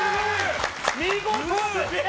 見事！